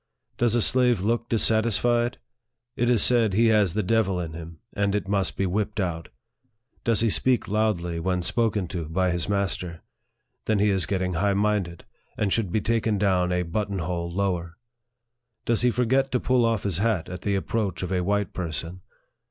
Does a slave look dissatis fied ? It is said, he has the devil in him, and it must be whipped out. Does he speak loudly when spoken to by his master ? Then he is getting high minded, and should be taken down a button hole lower. Does he forget to pull off his hat at the approach of a white person